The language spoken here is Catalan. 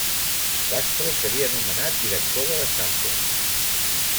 Castro seria nomenat director de l'Eixample.